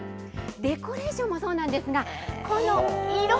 デコレーションもそうなんですが、この色。